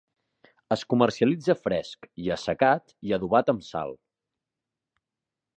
Es comercialitza fresc i assecat i adobat amb sal.